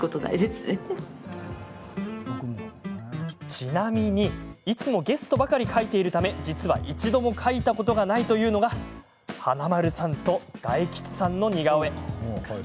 ちなみに、いつもゲストばかり描いているため実は一度も描いたことがないというのが華丸さんと大吉さんの似顔絵。